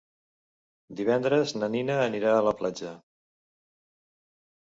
Divendres na Nina anirà a la platja.